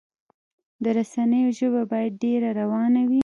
د رسنیو ژبه باید ډیره روانه وي.